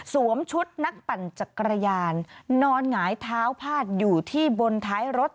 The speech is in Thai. ชุดนักปั่นจักรยานนอนหงายเท้าพาดอยู่ที่บนท้ายรถ